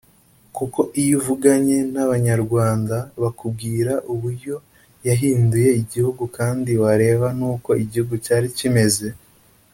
Kuko iyo uvuganye n’abanyarwanda bakubwira uburyo yahinduye igihugu kandi wareba n’uko igihugu cyari kimeze